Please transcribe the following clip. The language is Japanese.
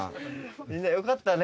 みんなよかったね